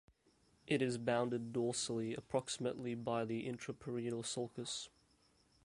It is bounded dorsally approximately by the intraparietal sulcus.